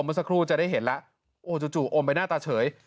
เมื่อสักครู่จะได้เห็นแล้วโอ้จู่อมไปหน้าตาเฉย